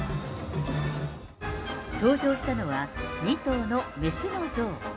登場したのは２頭の雌のゾウ。